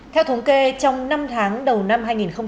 theo thống kê trong năm tháng đầu năm hai nghìn hai mươi